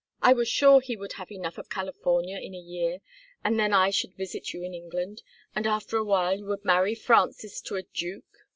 I was sure he would have enough of California in a year and then I should visit you in England, and after a while you would marry Frances to a duke.